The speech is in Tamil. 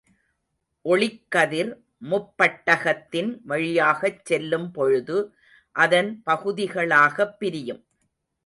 ஒளிக்கதிர் முப்பட்டகத்தின் வழியாகச் செல்லும் பொழுது, அதன் பகுதிகளாகப் பிரியும்.